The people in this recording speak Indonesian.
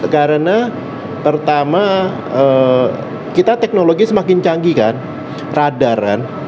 karena pertama kita teknologi semakin canggih kan radar kan